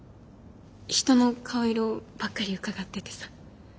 人の顔色ばっかりうかがっててさ。